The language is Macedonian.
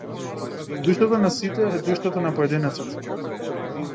Душата на сите е душата на поединецот.